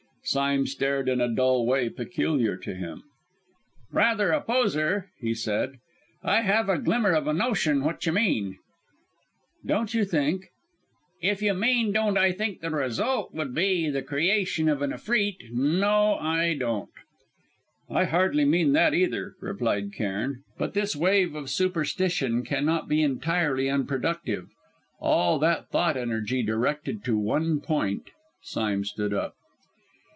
Sime stared in a dull way peculiar to him. "Rather a poser," he said. "I have a glimmer of a notion what you mean." "Don't you think " "If you mean don't I think the result would be the creation of an Efreet, no, I don't!" "I hardly mean that, either," replied Cairn, "but this wave of superstition cannot be entirely unproductive; all that thought energy directed to one point " Sime stood up.